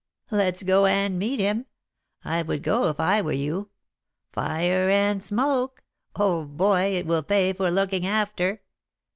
Let's go and meet him. I would go, if I were you. Fire and smoke! Old boy, it will pay for looking after."